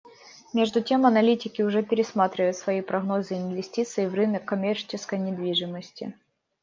Между тем аналитики уже пересматривают свои прогнозы инвестиций в рынок коммерческой недвижимости.